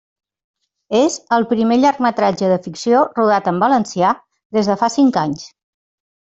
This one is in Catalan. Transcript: És el primer llargmetratge de ficció rodat en valencià des de fa cinc anys.